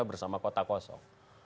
bersama kota kosong